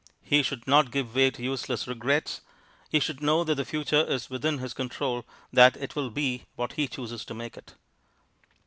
He should not give way to useless regrets; he should know that the future is within his control, that it will be what he chooses to make it.